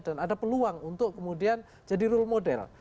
dan ada peluang untuk kemudian jadi role model